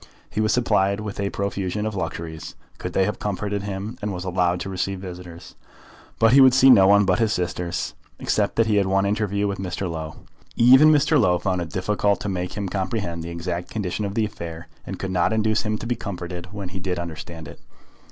He was supplied with a profusion of luxuries, could they have comforted him; and was allowed to receive visitors. But he would see no one but his sisters, except that he had one interview with Mr. Low. Even Mr. Low found it difficult to make him comprehend the exact condition of the affair, and could not induce him to be comforted when he did understand it.